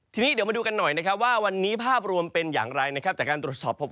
ทีนี้เดี๋ยวมาดูกันหน่อยนะครับว่าวันนี้ภาพรวมเป็นอย่างไรนะครับจากการตรวจสอบพบ